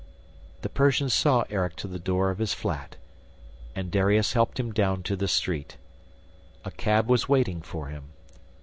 The Persian saw Erik to the door of his flat, and Darius helped him down to the street. A cab was waiting for him.